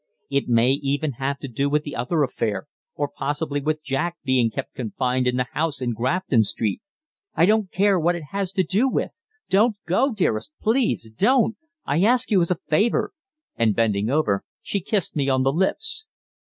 It may even have to do with the other affair or possibly with Jack being kept confined in the house in Grafton Street." "I don't care what it has to do with don't go, dearest please don't, I ask you as a favour," and, bending over, she kissed me on the lips.